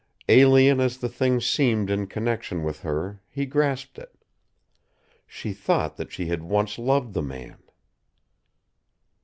Alien as the thing seemed in connection with her, he grasped it. She thought that she had once loved the man.